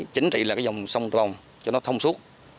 chính trị là dòng sông trà bồng cho nó thông suốt